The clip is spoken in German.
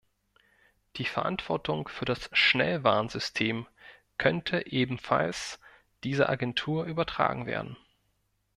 Die Verantwortung für das Schnellwarnsystem könnte ebenfalls dieser Agentur übertragen werden.